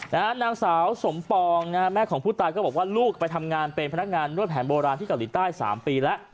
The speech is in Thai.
นางสาวสมปองนะฮะแม่ของผู้ตายก็บอกว่าลูกไปทำงานเป็นพนักงานนวดแผนโบราณที่เกาหลีใต้๓ปีแล้ว